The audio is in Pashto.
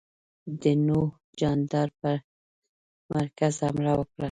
د نوح جاندار پر مرکز حمله وکړه.